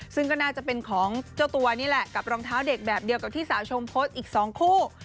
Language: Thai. ซึ่งก็น่าจะเป็นของเจ้าตัวนี่แหละกับรองเท้าเด็กแบบเดียวกับที่สาวชมโพสต์อีก๒คู่